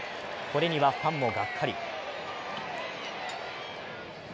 これにはファンもがっかり。